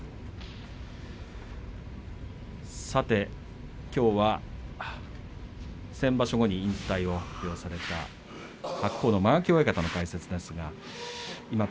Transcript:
さて、きょうは先場所後に引退をされた白鵬の間垣親方の解説です。